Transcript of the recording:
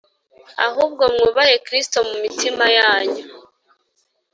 ahubwo mwubahe Kristo mu mitima yanyu